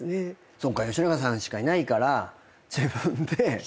そっか吉永さんしかいないから自分で。